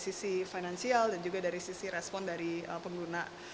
demikian langkah proses konfiguratif